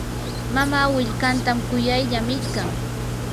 mamaa willkantan kuyaylla millqan.